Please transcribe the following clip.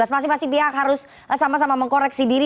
maksimasi pihak harus sama sama mengkoreksi diri